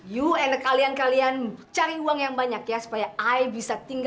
yuk enak kalian kalian cari uang yang banyak ya supaya ai bisa tinggal